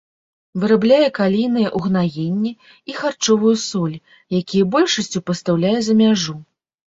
Вырабляе калійныя ўгнаенні і харчовую соль, якія большасцю пастаўляе за мяжу.